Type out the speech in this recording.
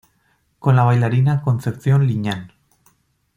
Con la bailarina Concepción Liñán.